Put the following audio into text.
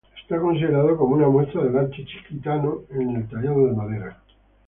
Está considerado como una muestra del arte chiquitano en el tallado de madera.